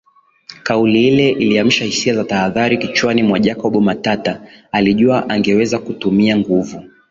Kauli ile iliamsha hisia za tahadhari kichwani kwa jacob Matata alijua angeweza kutumia nguvu